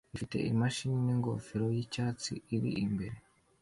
ifite imashini ningofero yicyatsi iri imbere